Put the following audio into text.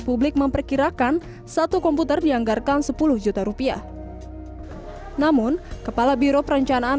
publik memperkirakan satu komputer dianggarkan sepuluh juta rupiah namun kepala biro perencanaan